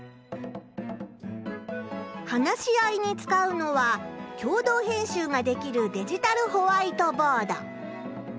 話し合いに使うのは共同編集ができるデジタルホワイトボード。